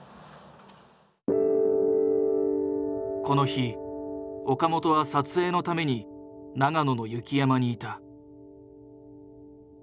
この日岡本は撮影のために長野の雪山にいた。